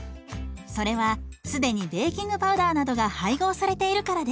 それは既にベーキングパウダーなどが配合されているからです。